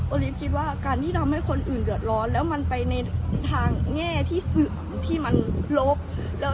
โอลิฟต์คิดว่าการที่ทำให้คนอื่นเดือดร้อนแล้วมันไปในทางแง่ที่สึ่งที่มันลบแล้ว